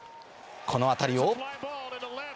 このあたりを。